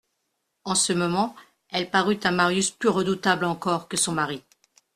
En ce moment elle parut à Marius plus redoutable encore que son mari.